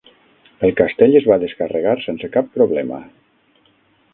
El castell es va descarregar sense cap problema.